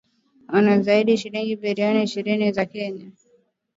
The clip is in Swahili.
wanadai zaidi ya shilingi bilioni ishirini za Kenya